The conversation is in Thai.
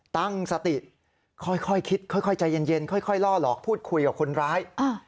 ตั้งสติค่อยคิดค่อยใจเย็นค่อยล่อหลอกพูดคุยกับคนร้าย